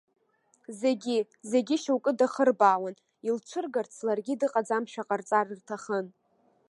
Зегьы, зегьы шьоукы дахырбаауан, илцәыргарц, ларгьы дыҟаӡамшәа ҟарҵар рҭахын.